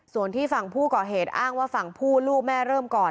ส่วนที่ฝั่งผู้ก่อเหตุอ้างว่าฝั่งผู้ลูกแม่เริ่มก่อน